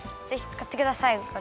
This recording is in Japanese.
ぜひつかってください。